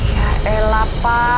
ya elah pak